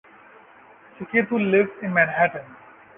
Suketu lives in Manhattan.